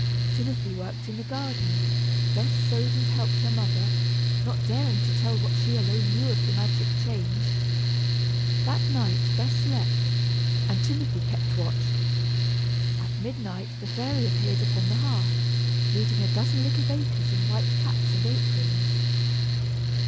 Timothy worked in the garden, Bess sewed and helped her mother, not daring to tell what she alone knew of the magic change. That night Bess slept, and Timothy kept watch. At midnight the fairy appeared upon the hearth, leading a dozen little bakers in white caps and aprons.